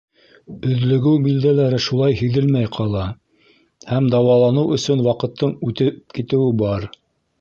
Өҙлөгөү билдәләре шулай һиҙелмәй ҡала, һәм дауаланыу өсөн ваҡыттың үтеп китеүе бар.